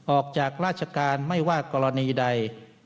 ออกจากราชการไม่ว่ากรณีใด